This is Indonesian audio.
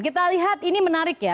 kita lihat ini menarik ya